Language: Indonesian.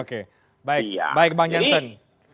oke baik bang jansen